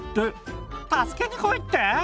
「助けにこいって？」。